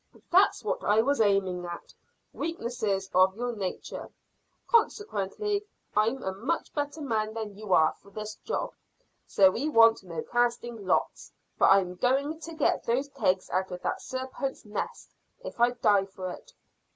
"That's what I was aiming at weaknesses of your nature. Consequently I'm a much better man than you are for this job. So we want no casting lots, for I'm going to get those kegs out of that serpent's nest, if I die for it."